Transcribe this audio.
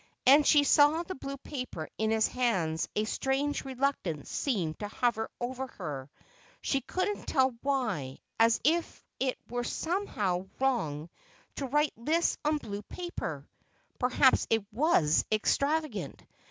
As she saw the blue paper in his hands a strange reluctance seemed to hover over her, she couldn't tell why, as if it were somehow wrong to write lists on blue paper. Perhaps it was extravagant.